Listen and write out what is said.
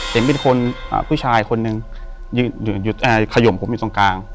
เห็นเป็นคนผู้ชายคนหนึ่งยืนขยมผมอยู่ตรงกลาง